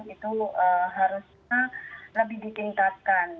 itu harusnya lebih ditingkatkan